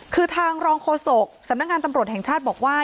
คือทางรองโฆษกสำนักงานตำรวจแห่งชาติบอกว่า